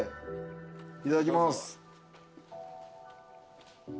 いただきます。